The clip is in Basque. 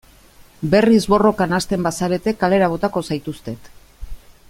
Berriz borrokan hasten bazarete kalera botako zaituztet.